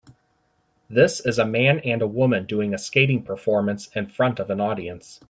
This is a man and a woman doing a skating performance, in front of an audience.